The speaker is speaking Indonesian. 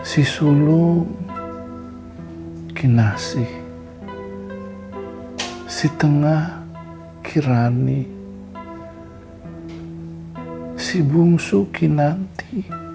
si sulu kinasi di tengah kirani si bungsu kinanti